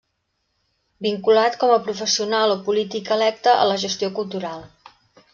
Vinculat com a professional o polític electe, a la gestió cultural.